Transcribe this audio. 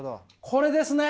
これですね。